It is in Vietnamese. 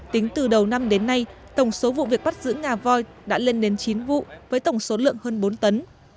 tính từ đầu năm đến nay tổng số vụ việc bắt giữ ngà voi đã lên đến chín vụ với tổng số lượng hơn bốn tấn